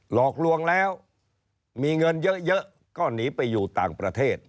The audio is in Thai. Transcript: หลอกลวงแล้วมีเงินเยอะก็หนีไปอยู่ต่างประเทศ